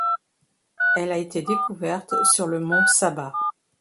Elle a été découverte sur le mont Sabah.